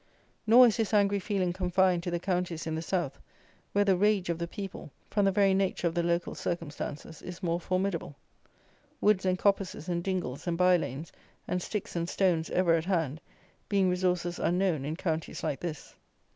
Nor is this angry feeling confined to the counties in the south, where the rage of the people, from the very nature of the local circumstances, is more formidable; woods and coppices and dingles and bye lanes and sticks and stones ever at hand, being resources unknown in counties like this.